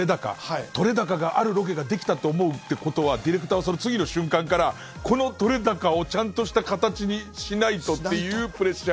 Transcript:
撮れ高があるロケができたって思うってことはディレクターはその次の瞬間からこの撮れ高をちゃんとした形にしないとっていうプレッシャー。